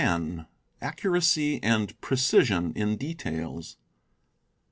—Accuracy and Precision in Details.